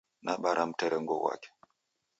Nabara mterengo ghwake.